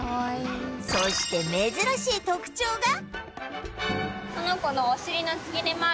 そして珍しい特徴が